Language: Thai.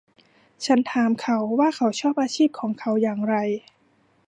ฉันถามเขาว่าเขาชอบอาชีพของเขาอย่างไร